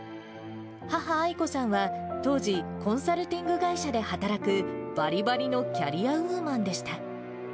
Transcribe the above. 母、アイコさんは、当時、コンサルティング会社で働くばりばりのキャリアウーマンでした。